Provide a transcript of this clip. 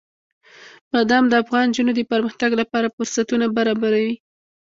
بادام د افغان نجونو د پرمختګ لپاره فرصتونه برابروي.